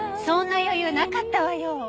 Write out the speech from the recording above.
そんな余裕なかったわよ！